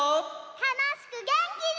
たのしくげんきに！